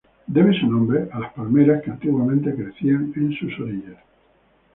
Debe su nombre a las palmeras que antiguamente crecían en sus orillas.